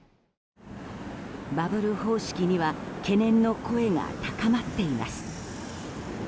バブル方式には懸念の声が高まっています。